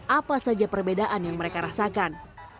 apa saja perbedaan yang mereka rasakan